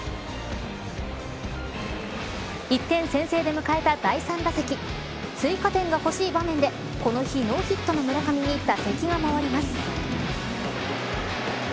１点先制で迎えた第３打席追加点が欲しい場面でこの日ノーヒットの村上に打席が回ります。